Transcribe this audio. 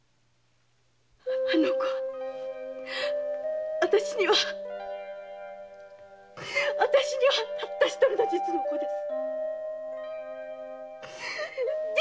あの子は私には私にはたった一人の実の子です！